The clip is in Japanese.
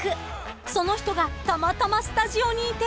［その人がたまたまスタジオにいて］